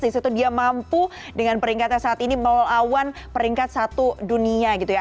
di situ dia mampu dengan peringkatnya saat ini melawan peringkat satu dunia gitu ya